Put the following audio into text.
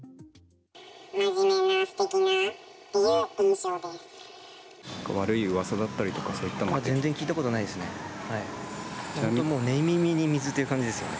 真面目なすてきなという印象悪いうわさだったりとか、全然聞いたことないですね。